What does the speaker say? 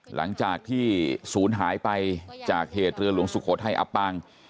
หลังจากที่ศูนย์หายไปจากเหตุเรือหลวงสุโขทัยอับปาง